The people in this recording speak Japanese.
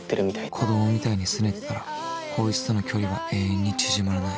子どもみたいにすねてたらこいつとの距離は永遠に縮まらない。